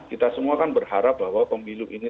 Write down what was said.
kita semua kan berharap bahwa pemilu ini